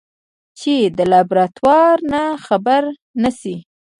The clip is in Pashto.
چې د لابراتوار نه خبره نشي.